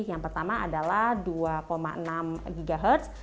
yang pertama adalah dua enam ghz